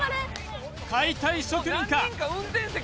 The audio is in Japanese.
解体職人か？